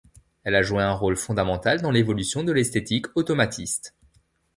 Elle a joué un rôle fondamental dans l'évolution de l'esthétique automatiste.